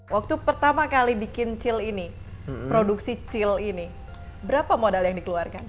waktu pertama kali bikin chill ini produksi chill ini berapa modal yang dikeluarkan